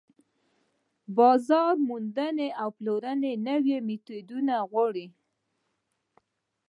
بازار موندنه او د پلورلو نوي ميتودونه غواړي.